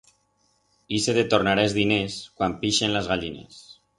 Ixe te tornará es diners cuan pixen las gallinas.